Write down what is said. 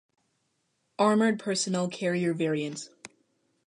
Armoured personnel carrier variant.